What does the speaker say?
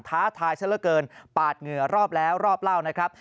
ท้าทายซะละเกินปาดเหงื่อรอบแล้วรอบเล่านะครับ